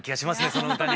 その歌に。